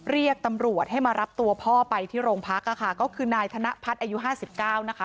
เรียกตำรวจให้มารับตัวพ่อไปที่โรงพักอะค่ะก็คือนายธนภัทรอายุ๕๙นะคะ